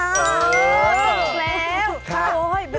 อ่อหลบแล้วฮ๊า